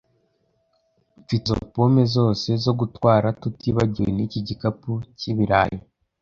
Mfite izo pome zose zo gutwara, tutibagiwe n'iki gikapu cy'ibirayi.